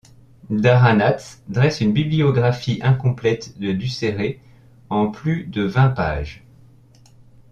Daranatz dresse une bibliographie incomplète de Ducéré en plus de vingt pages.